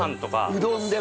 うどんでも。